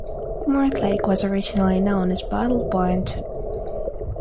Mortlake was originally known as Bottle Point.